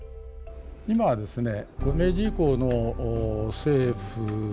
今はですね